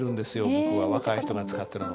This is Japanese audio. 僕は若い人が使ってるの。